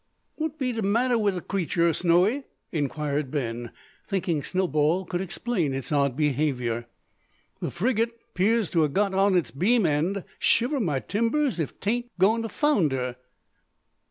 "What be the matter wi' the creetur, Snowy?" inquired Ben, thinking Snowball could explain its odd behaviour. "The frigate 'pears to ha' got on its beam end; shiver my timbers if 't ain't goin' to founder!"